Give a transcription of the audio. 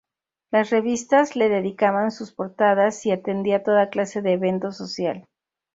Las revistas le dedicaban sus portadas y atendía toda clase de evento social.